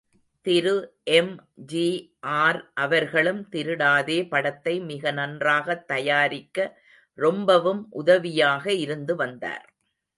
திரு எம்.ஜி.ஆர். அவர்களும் திருடாதே படத்தை மிக நன்றாகத் தயாரிக்க ரொம்பவும் உதவியாக இருந்து வந்தார்.